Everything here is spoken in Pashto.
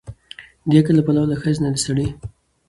د عقل له پلوه له ښځې نه د سړي